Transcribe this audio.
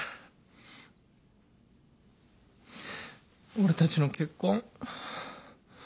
俺たちの結婚。